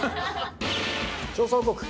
調査報告。